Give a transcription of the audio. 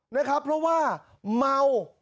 นะครับเพราะว่าเมา